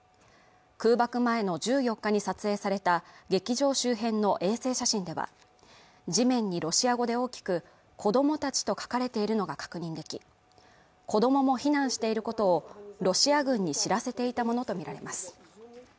空爆前の１４日に撮影された劇場周辺の衛星写真では地面にロシア語で大きく子供たちと書かれているのが確認でき子供も避難していることをロシア軍に知らせていたものと見られます